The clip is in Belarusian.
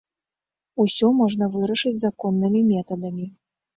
Усё можна вырашаць законнымі метадамі.